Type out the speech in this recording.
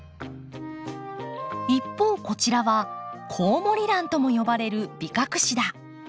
一方こちらはコウモリランとも呼ばれるビカクシダ。